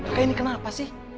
kak ini kenapa sih